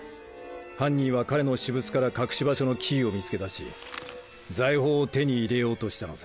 犯人は彼の私物から隠し場所のキーを見つけ出し財宝を手に入れようとしたのさ。